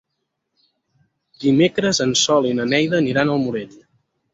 Dimecres en Sol i na Neida aniran al Morell.